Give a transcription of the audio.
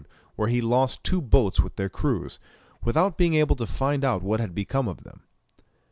where he lost two boats with their crews, without being able to find out what had become of them.